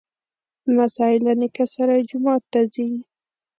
لمسی له نیکه سره جومات ته ځي.